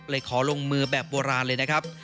ขอลงมือแบบโบราณเลยนะครับ